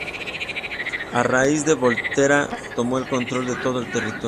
A raíz de Volterra tomó el control de todo el territorio.